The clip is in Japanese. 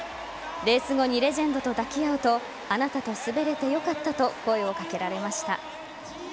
レース後にレジェンドと抱き合うとあなたと滑れてよかったと声をかけられました。